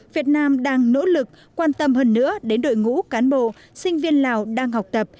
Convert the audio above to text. việt nam đang nỗ lực quan tâm hơn nữa đến đội ngũ cán bộ sinh viên lào đang học tập